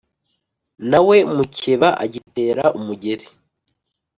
Na we mukeba agitera umugeri: